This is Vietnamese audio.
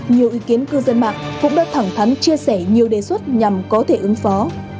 nhiều ý kiến cư dân mạng cũng đã thẳng thắn chia sẻ nhiều đề xuất nhằm có thể ứng phó